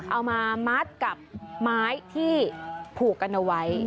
เอามามัดกับไม้ที่ผูกกันเอาไว้